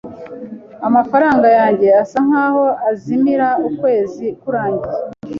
Amafaranga yanjye asa nkaho azimira ukwezi kurangiye.